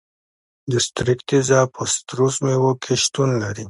د ستریک تیزاب په سیتروس میوو کې شتون لري.